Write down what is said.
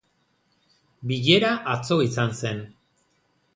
Bilera atzo izan zen.